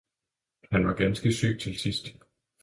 – han var ganske syg til sidst.